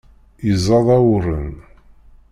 Yeẓẓad awren.